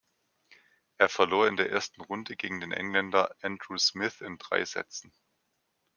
Er verlor in der ersten Runde gegen den Engländer Andrew Smith in drei Sätzen.